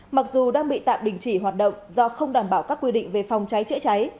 mặc dù đang bị tạm đình chỉ hoạt động do không đảm bảo các quy định về phòng cháy chữa cháy